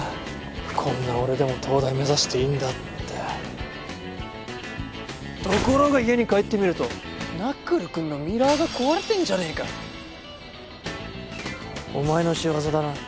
こんな俺でも東大目指していいんだってところが家に帰ってみるとナックルくんのミラーが壊れてんじゃねぇかお前の仕業だな？